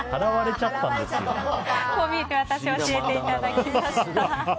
こう見えてワタシ教えていただきました。